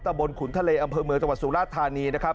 บนขุนทะเลอำเภอเมืองจังหวัดสุราชธานีนะครับ